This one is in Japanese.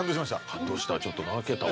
感動したちょっと泣けたわ。